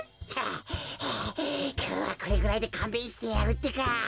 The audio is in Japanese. はあはあきょうはこれぐらいでかんべんしてやるってか。